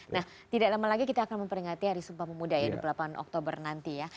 nah tidak lama lagi kita akan memperingati hari sumpah pemuda ya dua puluh delapan oktober nanti ya